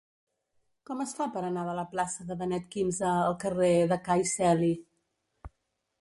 Com es fa per anar de la plaça de Benet XV al carrer de Cai Celi?